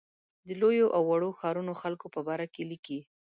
د لویو او وړو ښارونو خلکو په باره کې لیکي.